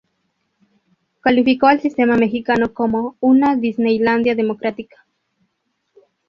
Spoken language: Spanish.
Calificó al sistema mexicano como: "una disneylandia democrática".